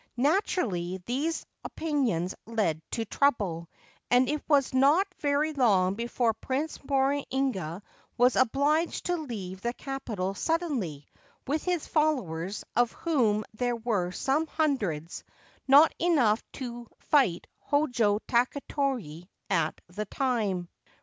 Naturally these opinions led to trouble, and it was not very long before Prince Morinaga was obliged to leave the capital suddenly, with his followers, of whom there were some hundreds, not enough to fight Hojo Takatoki at the time.